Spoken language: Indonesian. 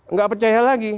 nggak percaya lagi